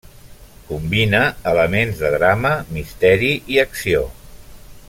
Combina elements de drama, misteri i acció.